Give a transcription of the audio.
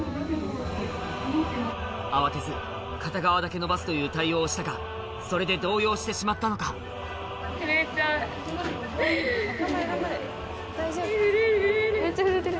慌てず片側だけのばすという対応をしたがそれで動揺してしまったのか震える震える！